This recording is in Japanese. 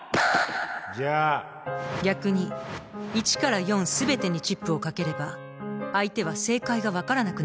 じゃあ逆に１から４全てにチップを賭ければ相手は正解が分からなくなるはずです。